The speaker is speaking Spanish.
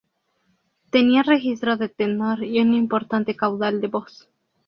Tenía registro de tenor y un importante caudal de voz.